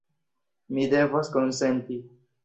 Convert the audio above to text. Mi devas konsenti.